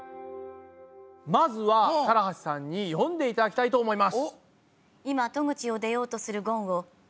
まずは唐橋さんに読んでいただきたいと思います。